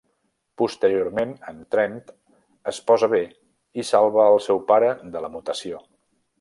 Posteriorment en Trent es posa bé i salva el seu pare de la mutació.